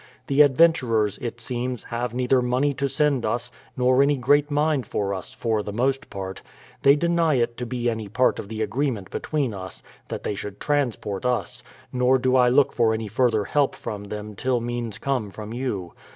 The adventurers, it seems, have neither money to send us, nor any great mind for us, for the most part. They deny it to be any part of the agreement between us that they should transport us, nor do I look for any further help from them till means come from you.